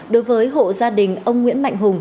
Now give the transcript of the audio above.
đối với hộ gia đình ông nguyễn mạnh hùng